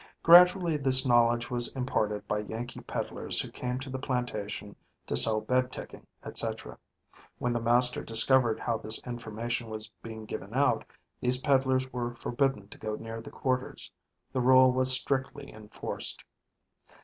Gradually this knowledge was imparted by Yankee peddlers who came to the plantation to sell bed ticking, etc. When the master discovered how this information was being given out, these peddlers were forbidden to go near the quarters. This rule was strictly enforced.